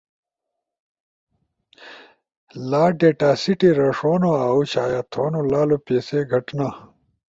لا ڈیتا سیٹے رݜونو اؤ شایع تھونو لالو پیسے گھٹ نا